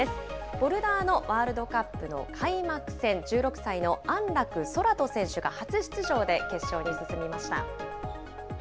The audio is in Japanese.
ボルダーのワールドカップの開幕戦、１６歳の安楽宙斗選手が初出場で決勝に進みました。